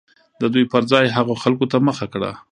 د دوى پر ځاى هغو خلكو ته مخه كړه